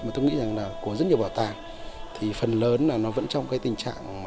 mà tôi nghĩ rằng là của rất nhiều bảo tàng thì phần lớn là nó vẫn trong cái tình trạng